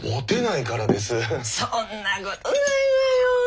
そんなことないわよ。